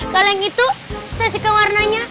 kalau yang itu saya suka warnanya